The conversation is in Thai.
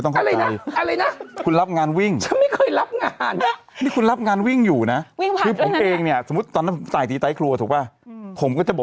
ต้องก็เล็งเวลาสุดนี่ทำไงดีกันชัยเตอร์